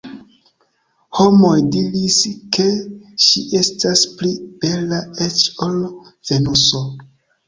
Homoj diris, ke ŝi estas pli bela eĉ ol Venuso.